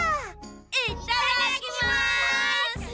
いっただっきます！